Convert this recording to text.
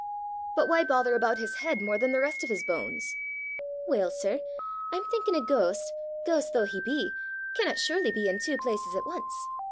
"But why bother about his heid more than the rist of his bones?" "Weel, sir, I'm thinking a ghaist, ghaist though he be, canna surely be i' twa places at ance.